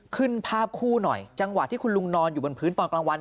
ขึ้นภาพคู่หน่อยจังหวะที่คุณลุงนอนอยู่บนพื้นตอนกลางวัน